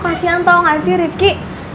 kasian tau nggak sih rifki